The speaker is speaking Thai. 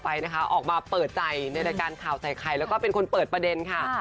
ไปนะคะออกมาเปิดใจในรายการข่าวใส่ไข่แล้วก็เป็นคนเปิดประเด็นค่ะ